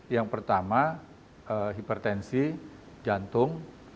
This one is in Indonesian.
yang pertama hipertensi jantung